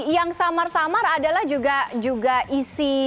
yang samar samar adalah juga isi